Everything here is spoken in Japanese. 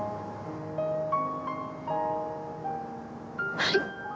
はい。